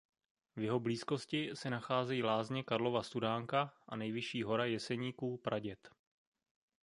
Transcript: V jeho blízkosti se nacházejí lázně Karlova Studánka a nejvyšší hora Jeseníků Praděd.